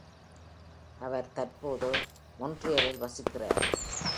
அவர் தற்போது மாண்ட்ரீயலில் வசிக்கிறார்.